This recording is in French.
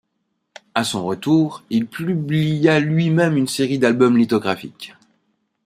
À son retour, il publia lui-même une série d'albums lithographiques.